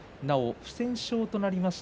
不戦勝となりました